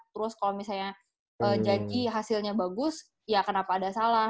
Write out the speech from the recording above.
terus kalau misalnya janji hasilnya bagus ya kenapa ada salah